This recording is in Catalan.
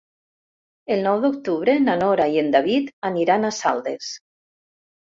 El nou d'octubre na Nora i en David aniran a Saldes.